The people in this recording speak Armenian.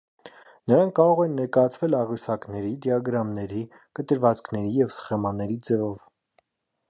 Նրանք կարող են ներկայացվել աղյուսակների, դիագրամների, կտրվածքների և սխեմաների ձևով։